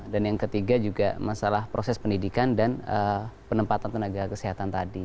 dan yang ketiga juga masalah proses pendidikan dan penempatan tenaga kesehatan tadi